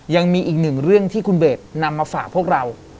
ยังมีอีกหนึ่งเรื่องที่คุณเบสนำมาฝากพวกเรา